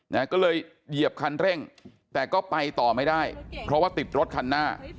นะก็เลยเหยียบคันเร่งแต่ก็ไปต่อไม่ได้เพราะว่าติดรถคันหน้า